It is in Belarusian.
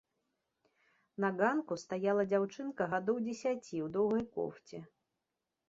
На ганку стаяла дзяўчынка гадоў дзесяці ў доўгай кофце.